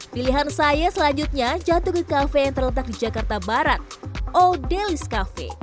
pilihan saya selanjutnya jatuh ke kafe yang terletak di jakarta barat oldelis cafe